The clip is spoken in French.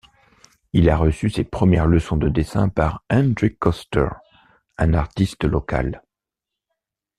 Il a reçu ses premières leçons de dessin par Hendrick Coster, un artiste local.